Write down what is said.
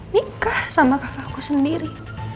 nikah sama kakakku sendiri